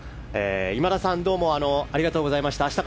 今田さん、どうもありがとうございました。